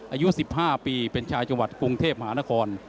อายุ๑๕ปีเป็นชาวจังหวัดกรุงเทพมหานคร